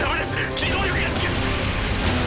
機動力が違。